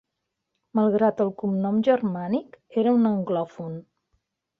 Malgrat el cognom germànic, era un anglòfon.